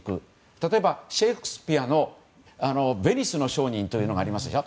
例えばシェイクスピアの「ヴェニスの商人」というのがありますでしょ。